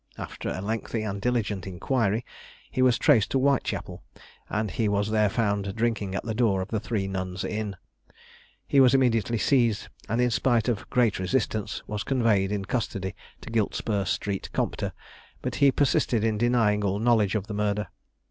After a lengthy and diligent inquiry, he was traced to Whitechapel, and he was there found drinking at the door of the Three Nuns Inn. He was immediately seized, and in spite of great resistance was conveyed in custody to Giltspur street Compter; but he persisted in denying all knowledge of the murder.